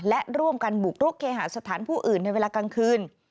และร่วมกันบุกรุกเคหาสถานผู้อื่นในเวลากลางคืน